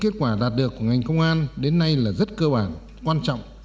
điều đạt được của ngành công an đến nay là rất cơ bản quan trọng